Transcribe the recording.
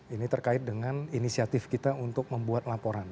ini terkait dengan inisiatif kita untuk membuat laporan